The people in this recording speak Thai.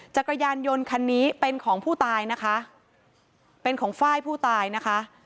จักรยานยนต์คันนี้เป็นของฝ้ายผู้ตายนะคะ